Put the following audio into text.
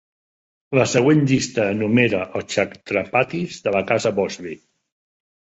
La següent llista enumera els chhatrapatis de la Casa de Bhosle.